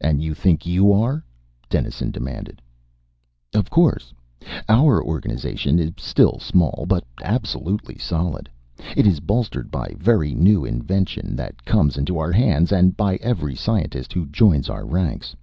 "And you think you are?" Dennison demanded. "Of course. Our organization is still small, but absolutely solid. It is bolstered by every new invention that comes into our hands and by every scientist who joins our ranks.